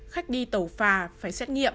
khách đi tàu phà phải xét nghiệm